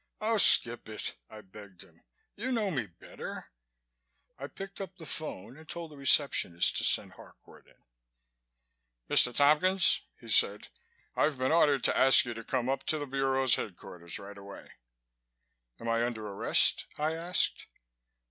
"Oh skip it!" I begged him. "You know me better." I picked up the phone and told the receptionist to send Harcourt in. "Mr. Tompkins," he said. "I've been ordered to ask you to come up to the Bureau's headquarters right away." "Am I under arrest?" I asked.